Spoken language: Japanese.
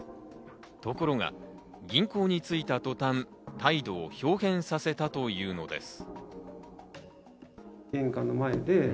ところが銀行に着いた途端、態度を豹変させたというのです。